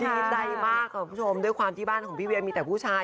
ดีใจมากคุณผู้ชมด้วยความที่บ้านของพี่เวียมีแต่ผู้ชาย